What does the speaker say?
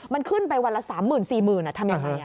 มันขึ้นไปวันละ๓๐๐๔๐๐๐ทำอย่างไร